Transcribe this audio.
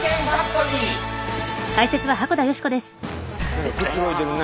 何かくつろいでるね。